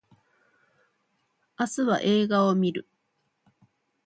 明日は映画を見る